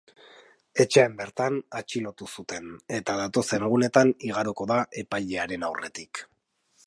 Etxean bertan atxilotu zuten, eta datozen egunetan igaroko da epailearen aurretik.